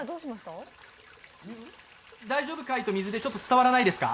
大丈夫かい？と水で伝わらないですか？